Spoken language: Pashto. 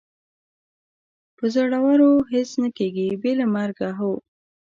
په زړورو هېڅ نه کېږي، بې له مرګه، هو.